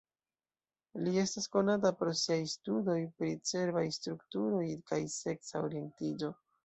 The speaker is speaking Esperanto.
Li estas konata pro siaj studoj pri cerbaj strukturoj kaj seksa orientiĝo.